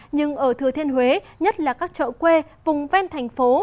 nhưng ở thừa thiên huế nhất là các chợ quê vùng ven thành phố